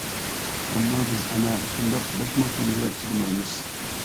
ئەمما بىز ئەنە شۇنداق بەش موچەنگە چىدىمايمىز.